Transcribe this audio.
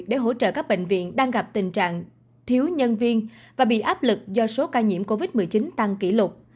để hỗ trợ các bệnh viện đang gặp tình trạng thiếu nhân viên và bị áp lực do số ca nhiễm covid một mươi chín tăng kỷ lục